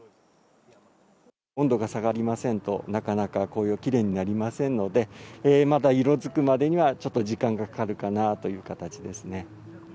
温度が下がりませんと、なかなか紅葉きれいになりませんので、まだ色づくまでには、ちょっと時間がかかるかなという形ですね。